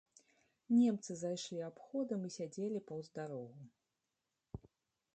Немцы зайшлі абходам і сядзелі паўз дарогу.